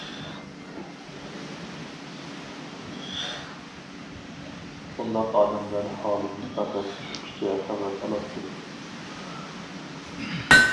ئۇنداق ئادەملەر ھالىدىن پەقەت چۈشكىچە خەۋەر ئالاتتىم.